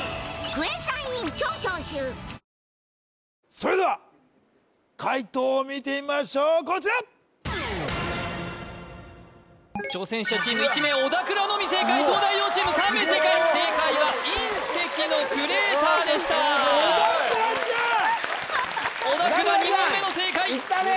それでは解答を見てみましょうこちら挑戦者チーム１名小田倉のみ正解東大王チーム３名正解正解は隕石のクレーターでした小田倉ちゃん小田倉２問目の正解いったね！